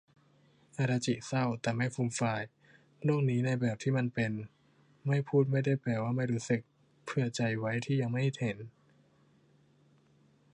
อาดาจิ เศร้า แต่ไม่ฟูมฟาย โลกนี้ในแบบที่มันเป็น ไม่พูดไม่ได้แปลว่าไม่รู้สึก เผื่อใจไว้ที่ยังไม่เห็น